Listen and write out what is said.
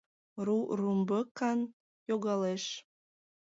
Ру румбыкан йогалеш.